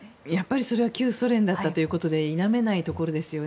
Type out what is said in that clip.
それは旧ソ連だったということで否めないところですよね。